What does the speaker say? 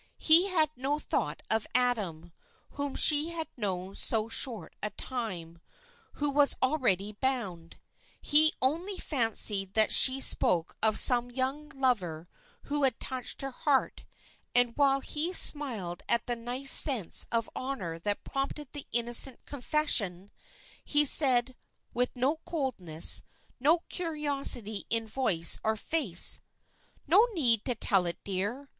He had no thought of Adam, whom she had known so short a time, who was already bound; he only fancied that she spoke of some young lover who had touched her heart, and while he smiled at the nice sense of honor that prompted the innocent confession, he said, with no coldness, no curiosity in voice or face "No need to tell it, dear.